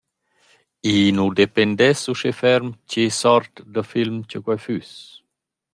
I nu dependess uschè ferm che sort da film cha quai füss.